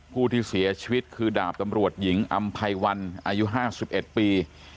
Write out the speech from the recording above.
ผู้ที่เสียชีวิตคือดาบตำรวจหญิงอำไพวันอายุ๕๑ปี